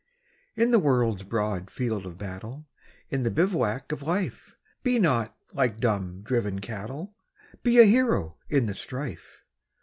In the world's broad field of battle, In the bivouac of Life, Be not like dumb, driven cattle! Be a hero in the strife!